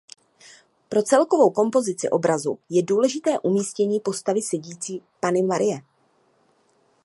Pro celkovou kompozici obrazu je důležité umístění postavy sedící Panny Marie.